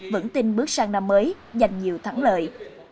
vững tin bước sang năm mới giành nhiều thắng lợi